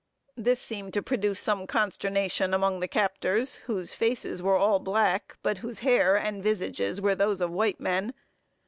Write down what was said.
This seemed to produce some consternation among the captors, whose faces were all black, but whose hair and visages were those of white men.